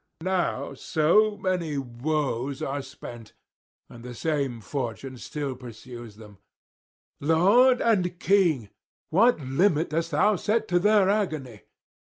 Now so many woes are spent, and the same fortune still pursues them; Lord and King, what limit dost thou set to their agony?